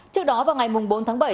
trước đó vào ngày bốn tháng bảy